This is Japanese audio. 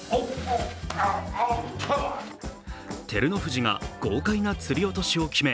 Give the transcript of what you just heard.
照ノ富士が豪快なつりおとしを決め